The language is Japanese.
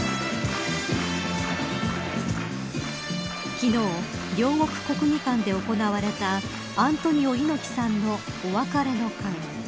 昨日、両国国技館で行われたアントニオ猪木さんのお別れの会。